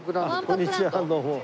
こんにちはどうも。